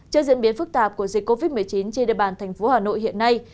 trước diễn biến phức tạp của dịch covid một mươi chín trên địa bàn thành phố hà nội hiện nay